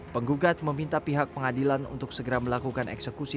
penggugat meminta pihak pengadilan untuk segera melakukan eksekusi